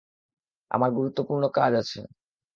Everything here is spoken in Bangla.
আমার গুরুত্বপূর্ণ কাজ আছে!